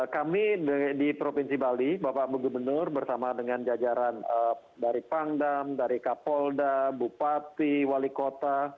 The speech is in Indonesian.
kami di provinsi bali bapak gubernur bersama dengan jajaran dari pangdam dari kapolda bupati wali kota